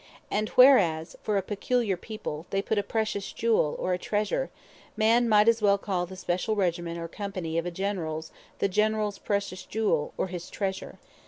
And whereas, for a Peculiar People, they put a Pretious Jewel, or Treasure, a man might as well call the speciall Regiment, or Company of a Generall, the Generalls pretious Jewel, or his Treasure.